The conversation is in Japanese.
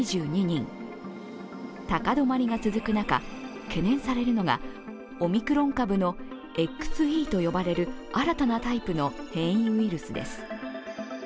高止まりが続く中、懸念されるのがオミクロン株のＸＥと呼ばれる新たなタイプの変異ウイルスです。